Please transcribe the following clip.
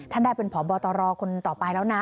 ท่านได้เป็นพบตรคนต่อไปแล้วนะ